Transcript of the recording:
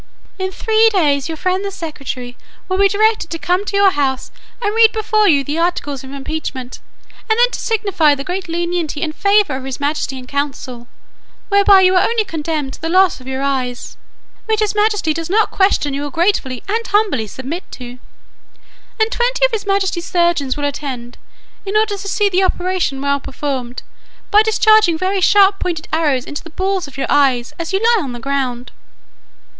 "In three days your friend the secretary will be directed to come to your house, and read before you the articles of impeachment; and then to signify the great lenity and favour of his majesty and council, whereby you are only condemned to the loss of your eyes, which his majesty does not question you will gratefully and humbly submit to; and twenty of his majesty's surgeons will attend, in order to see the operation well performed, by discharging very sharp pointed arrows into the balls of your eyes, as you lie on the ground.